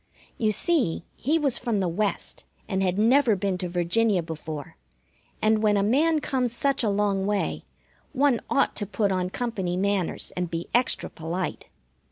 You see, he was from the West, and had never been to Virginia before; and when a man comes such a long way, one ought to put on company manners and be extra polite.